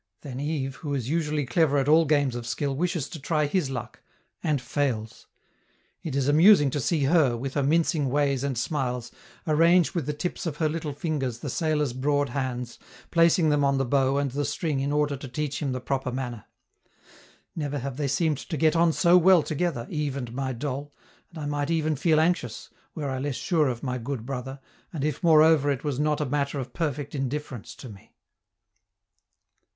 Then Yves, who is usually clever at all games of skill, wishes to try his luck, and fails. It is amusing to see her, with her mincing ways and smiles, arrange with the tips of her little fingers the sailor's broad hands, placing them on the bow and the string in order to teach him the proper manner. Never have they seemed to get on so well together, Yves and my doll, and I might even feel anxious, were I less sure of my good brother, and if, moreover, it was not a matter of perfect indifference to me.